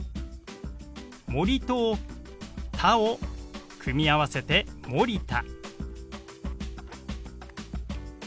「森」と「田」を組み合わせて「森田」。